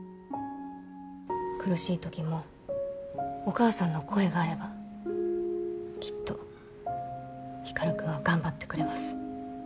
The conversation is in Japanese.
苦しいときもお母さんの声があればきっと光君は頑張ってくれます。